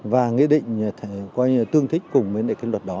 và nghị định tương thích cùng với luật đó